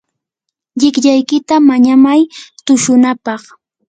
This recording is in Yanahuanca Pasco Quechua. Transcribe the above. llikllaykita mañamay tushunapaq.